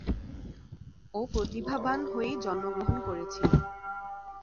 ও প্রতিভাবান হয়েই জন্মগ্রহণ করেছিল।